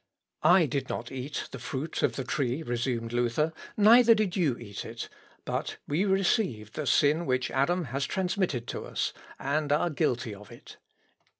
] "I did not eat the fruit of the tree," resumed Luther; "neither did you eat it; but we received the sin which Adam has transmitted to us, and are guilty of it.